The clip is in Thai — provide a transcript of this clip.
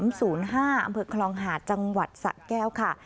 อำเภอคลองหาดจังหวัดสะแก้วค่ะ